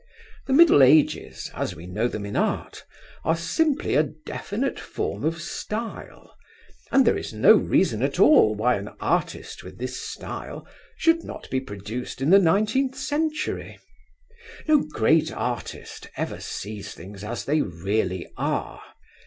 The Middle Ages, as we know them in art, are simply a definite form of style, and there is no reason at all why an artist with this style should not be produced in the nineteenth century. No great artist ever sees things as they really are.